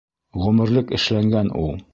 Ғүмерлек эшләнгән ул.